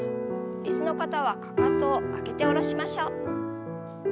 椅子の方はかかとを上げて下ろしましょう。